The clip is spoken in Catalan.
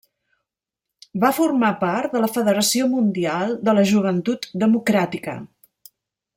Va formar part de la Federació Mundial de la Joventut Democràtica.